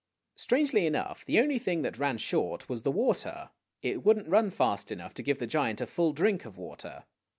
Strangely enough, the only thing that ran short was the water. It would n't run fast enough to give the giant a full drink of water.